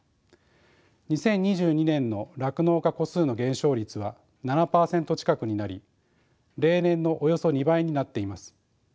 ２０２２年の酪農家戸数の減少率は７％近くになり例年のおよそ２倍になっています。